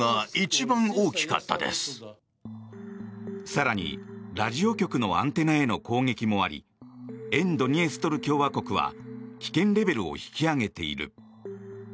更に、ラジオ局のアンテナへの攻撃もあり沿ドニエストル共和国は危険レベルを引き上げている。